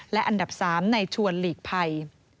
และอันดับ๓ในชวนหลีกภัย